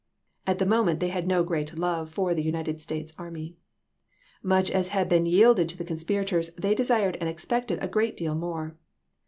At the moment they had no great love for the United States army. Much as had been yielded to the conspirators, they desu'ed and expected a great deal more.